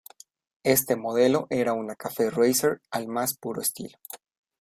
Este modelo era una Cafe Racer al más puro estilo.